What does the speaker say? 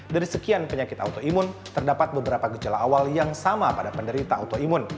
dari sekian penyakit autoimun terdapat beberapa gejala awal yang sama pada penderita autoimun